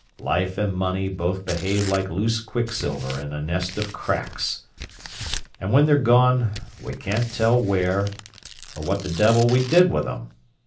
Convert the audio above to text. Life and money both behave like loose quicksilver in a nest of cracks. And when they're gone we can't tell where—or what the devil we did with 'em!